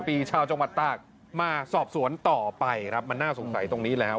ปีชาวจังหวัดตากมาสอบสวนต่อไปครับมันน่าสงสัยตรงนี้แล้ว